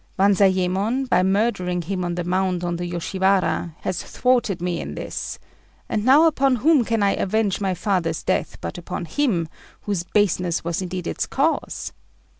Banzayémon, by murdering him on the Mound of the Yoshiwara, has thwarted me in this; and now upon whom can I avenge my father's death but upon him whose baseness was indeed its cause?